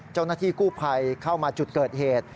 เจ้าหน้าที่กู้ภัยเข้ามาจุดเกิดเหตุ